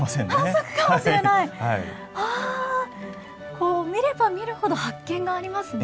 こう見れば見るほど発見がありますね。